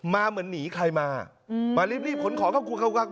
มาเหมือนหนีใครมาอืมมารีบรีบขนของเข้ากุกกกกกุกกกก